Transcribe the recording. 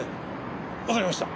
わかりました。